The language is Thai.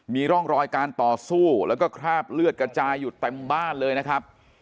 มีร่องรอยการต่อสู้แล้วก็คราบเลือดกระจายอยู่เต็มบ้านเลยนะครับ